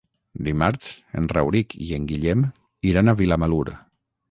Dimarts en Rauric i en Guillem iran a Vilamalur.